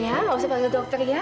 ya nggak usah panggil dokter ya